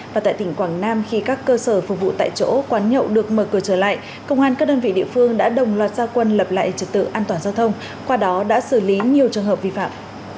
và tại tỉnh quảng nam khi các cơ sở phục vụ tại chỗ quán nhậu được mở cửa trở lại công an các đơn vị địa phương đã đồng loạt gia quân lập lại trật tự an toàn giao thông qua đó đã xử lý nhiều trường hợp vi phạm